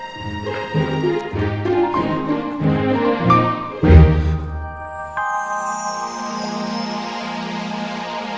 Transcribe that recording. jangan lupa like subscribe dan share ya